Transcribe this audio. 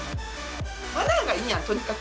マナーがいいやん、とにかく。